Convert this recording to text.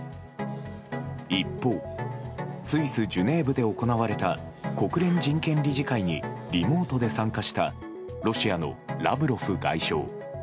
一方スイス・ジュネーブで行われた国連人権理事会にリモートで参加したロシアのラブロフ外相。